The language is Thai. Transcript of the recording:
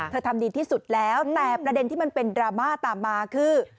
ทำดีที่สุดแล้วแต่ประเด็นที่มันเป็นดราม่าตามมาคือ